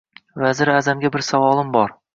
Vaziri a’zamga bir savolim bor